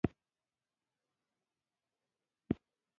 چرګان عموماً د غوښې او هګیو لپاره ساتل کېږي.